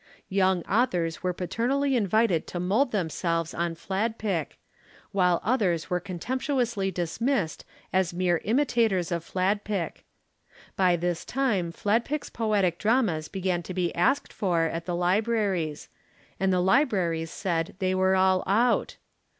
Young authors were paternally invited to mould themselves on Fladpick, while others were contemptuously dismissed as mere imitators of Fladpick. By this time Fladpick's poetic dramas began to be asked for at the libraries, and the libraries said that they were all out.